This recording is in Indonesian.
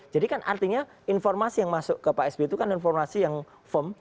jadi kan artinya informasi yang masuk ke pak sby itu kan informasi yang firm